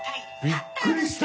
びっくりした！